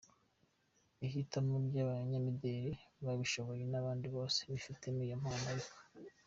ihitamo ryabanyamideli babishoboye nabandi bose bifitemo iyo mpano ariko.